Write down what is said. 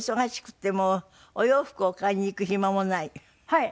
はい。